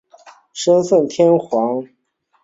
生奉天皇帝李琮。